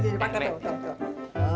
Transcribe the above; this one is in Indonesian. oke ya paket tuh